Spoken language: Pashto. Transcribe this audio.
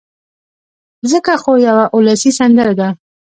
ځکه خو يوه اولسي سندره ده